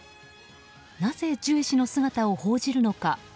なぜジュエ氏の姿を報じるのか。